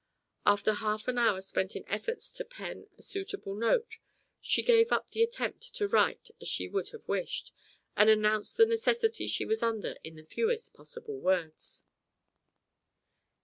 After half an hour spent in efforts to pen a suitable note, she gave up the attempt to write as she would have wished, and announced the necessity she was under in the fewest possible words.